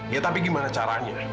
ya tapi gimana caranya